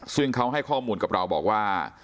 ซึ่งเขาให้ข้อมูลกับเราบอกว่า